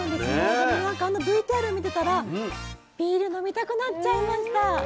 でもなんかあのＶＴＲ見てたらビール飲みたくなっちゃいました。